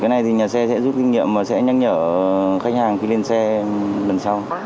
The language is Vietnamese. cái này thì nhà xe sẽ giúp kinh nghiệm và sẽ nhắc nhở khách hàng khi lên xe lần sau